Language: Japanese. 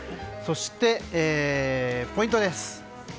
そしてポイントです。